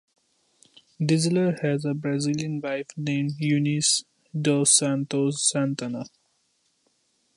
Deisler has a Brazilian wife named Eunice Dos Santos Santana.